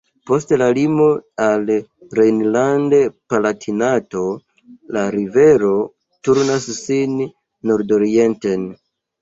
Post la limo al Rejnland-Palatinato la rivero turnas sin nordorienten.